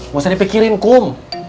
gak usah dipikirin kum